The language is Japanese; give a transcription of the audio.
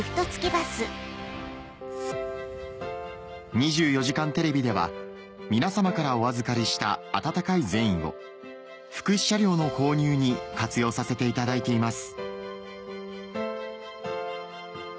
『２４時間テレビ』では皆様からお預かりした温かい善意を福祉車両の購入に活用させていただいています